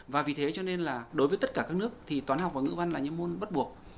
và vì thế cho nên là đối với tất cả các nước thì toán học và ngữ văn là những môn bắt buộc